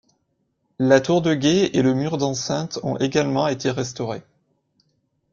La tour de guet et le mur d’enceinte ont également été restaurés.